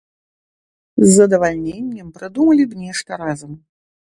З задавальненнем прыдумалі б нешта разам.